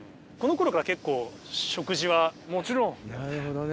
なるほどね。